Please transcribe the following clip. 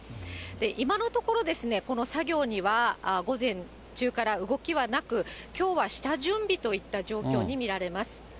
今のところ、この作業には午前中から動きはなく、きょうは下準備といった状況に見られます。